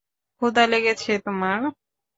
ক্ষুধা লেগেছে তোমার?